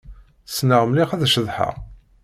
Ssneɣ mliḥ ad ceḍḥeɣ.